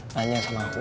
nanya sama aku